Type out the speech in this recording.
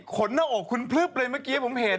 หน้าอกคุณพลึบเลยเมื่อกี้ผมเห็น